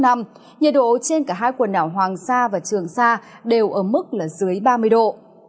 nhiệt độ trên cả hai quần đảo hoàng sa và trường sa đều ở mức là dưới ba mươi độ